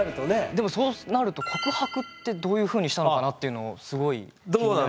でもそうなると告白ってどういうふうにしたのかなっていうのをすごい気になりますね。